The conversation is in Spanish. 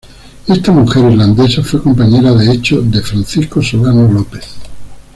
Esta mujer irlandesa fue compañera de hecho de Francisco Solano López.